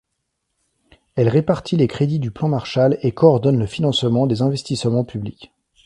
Elle répartit les crédits du plan Marshall et coordonne le financement des investissements publics.